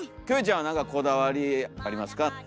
キョエちゃんは何かこだわりありますか？